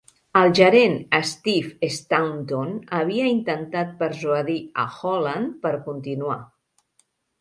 El gerent Steve Staunton havia intentat persuadir a Holland per continuar.